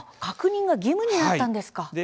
確認が義務になったんですか。